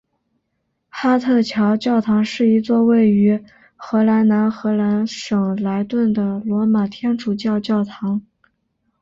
哈特桥教堂是一座位于荷兰南荷兰省莱顿的罗马天主教教堂。